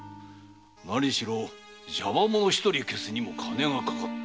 何しろ邪魔者一人消すにも金がかかった。